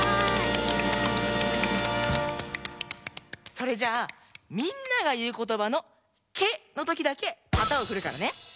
それじゃあみんながいうことばの「ケ」のときだけ旗をふるからね。